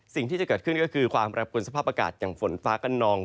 สิ่งที่จะเกิดขึ้นก็คือความแปรปวนสภาพอากาศอย่างฝนฟ้ากันนอง